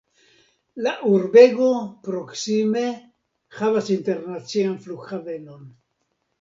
La urbego proksime havas internacian flughavenon.